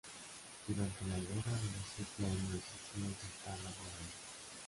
Durante la Guerra de los Siete Años se hicieron saltar las murallas.